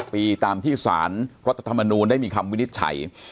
ปีตามที่สารรัฐธรรมนูลได้มีคำวินิจฉัย